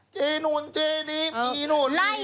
เจ๊นู้นเจ๊นีมนี่นั่นนี่นี่